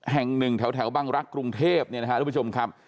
แห่งหนึ่งแถวบังรักกรุงเทพนี่นะครับรู้ประชุมครับ